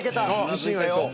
自信ありそう。